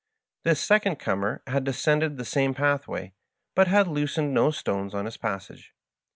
This second comer had de scended the same pathway, but had loosened no stones on his passage.